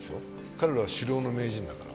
彼らは狩猟の名人だから。